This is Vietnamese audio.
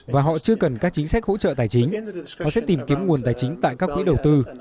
và họ chưa cần các chính sách hỗ trợ tài chính họ sẽ tìm kiếm nguồn tài chính tại các quỹ đầu tư